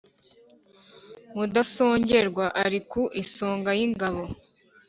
Mudasongerwa ari ku isonga y’ingabo